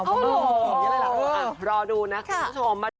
นี่แหละรอดูนะคุณผู้ชม